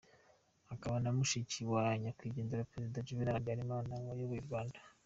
Akaba na mushiki wa Nyakwigendera Perezida Juvénal Habyarimana wayoboye u Rwanda.